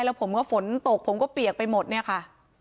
แล้วผมก็ฝนตกผมก็เปียกไปหมดเนี่ยค่ะ